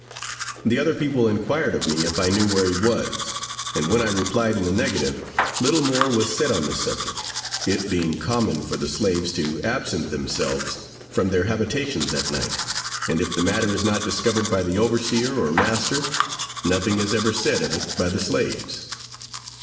The other people inquired of me if I knew where he was, and when I replied in the negative, little more was said on the subject; it being common for the slaves to absent themselves from their habitations at night, and if the matter is not discovered by the overseer or master, nothing is ever said of it by the slaves.